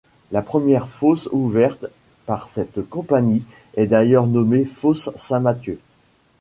La première fosse ouverte par cette compagnie est d'ailleurs nommée fosse Saint-Mathieu.